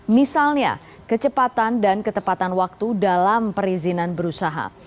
misalnya kecepatan dan ketepatan waktu dalam perizinan berusaha